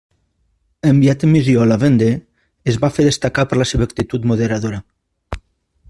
Enviat en missió a la Vendée, es va fer destacar per la seva actitud moderadora.